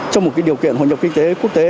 trong một điều kiện hội nhập kinh tế quốc tế